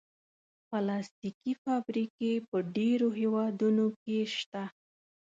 پلاستيکي فابریکې په ډېرو هېوادونو کې شته.